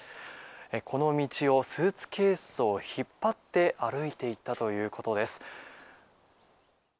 この道をスーツケースを引っ張って歩いていったということです。